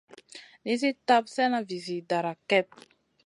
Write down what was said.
Nizi tap slèna vizi dara kep.